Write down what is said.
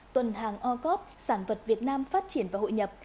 tuần hàng o cop sản vật việt nam phát triển và hội nhập